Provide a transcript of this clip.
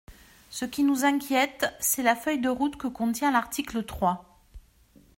Ce qui nous inquiète, c’est la feuille de route que contient l’article trois.